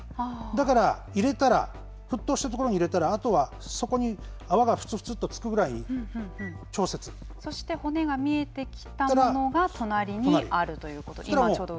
だから入れたら沸騰したところに入れたらあとは、そこに泡がふつふつとつくぐらいにそして骨が見えてきたのが隣にあるということで今ちょうど。